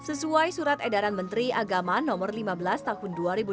sesuai surat edaran menteri agama no lima belas tahun dua ribu dua puluh